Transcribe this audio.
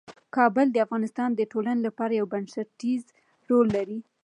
کابل د افغانستان د ټولنې لپاره یو بنسټيز رول لري.